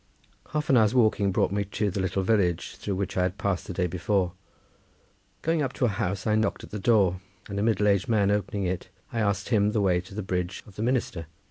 Half an hour's walking brought me to the little village through which I had passed the day before. Going up to a house I knocked at the door, and a middle aged man opening it, I asked him the way to the Bridge of the Minister.